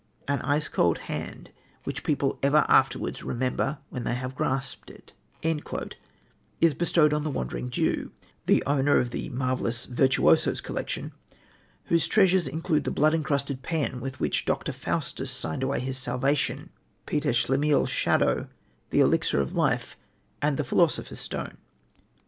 "An ice cold hand which people ever afterwards remember when once they have grasped it" is bestowed on the Wandering Jew, the owner of the marvellous Virtuoso's Collection, whose treasures include the blood encrusted pen with which Dr. Faustus signed away his salvation, Peter Schlemihl's shadow, the elixir of life, and the philosopher's stone.